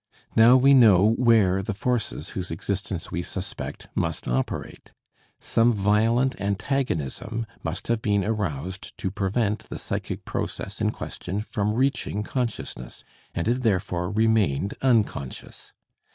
Now we know where the forces whose existence we suspect must operate. Some violent antagonism must have been aroused to prevent the psychic process in question from reaching consciousness, and it therefore remained unconscious.